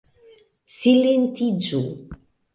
Silentiĝu!